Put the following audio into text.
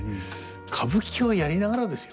歌舞伎をやりながらですよ。